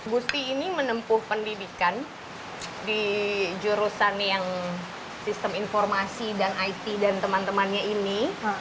gusti ini menempuh pendidikan di jurusan yang sistem informasi dan it dan teman temannya ini